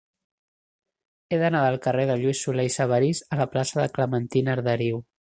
He d'anar del carrer de Lluís Solé i Sabarís a la plaça de Clementina Arderiu.